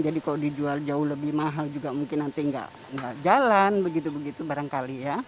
jadi kalau dijual jauh lebih mahal juga mungkin nanti nggak jalan begitu begitu barangkali ya